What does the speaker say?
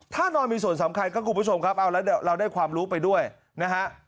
ท่านอนมีส่วนสำคัญคุณผู้ชมครับเราได้ความรู้ไปด้วยนะฮะ